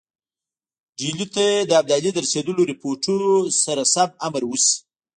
ډهلي ته د ابدالي د رسېدلو رپوټونو سره سم امر وشي.